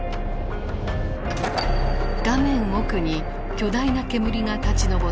画面奥に巨大な煙が立ち昇っている。